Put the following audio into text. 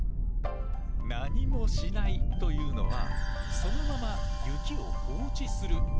何もしないというのはそのまま雪を放置するということ。